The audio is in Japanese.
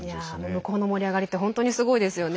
向こうの盛り上がりって本当にすごいですよね。